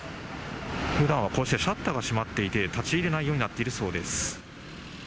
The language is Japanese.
ふだんはこうしてシャッターが閉まっていて、立ち入れないようになっているそうです。